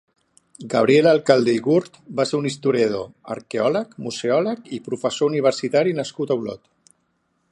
Gabriel Alcalde i Gurt va ser un historiador, arqueòleg, museòleg i professor universitari nascut a Olot.